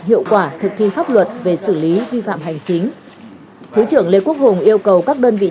hiệu quả thực thi pháp luật về xử lý vi phạm hành chính thứ trưởng lê quốc hùng yêu cầu các đơn vị